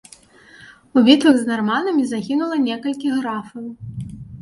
У бітвах з нарманамі загінула некалькі графаў.